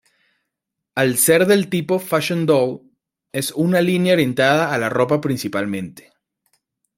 Al ser del tipo "Fashion Doll", es una línea orientada a la ropa principalmente.